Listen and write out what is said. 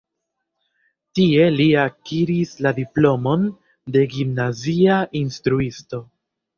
Tie li akiris la diplomon de gimnazia instruisto.